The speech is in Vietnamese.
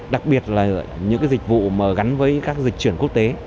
đặc biệt là những dịch vụ mà gắn với các dịch chuyển quốc tế